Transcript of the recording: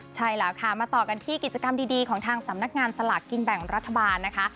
ใช่แล้วค่ะมาต่อกันที่กิจกรรมดีของทางสำนักงานสลากกินแบ่งรัฐบาลนะคะ